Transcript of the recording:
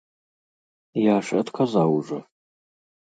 Я ж адказаў ужо.